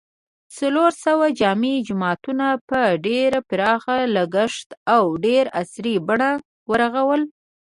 څلورسوه جامع جوماتونه په ډېر پراخ لګښت او ډېره عصري بڼه و رغول